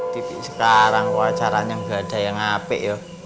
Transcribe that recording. tidak sekarang kewacaranya nggak ada yang ngapain ya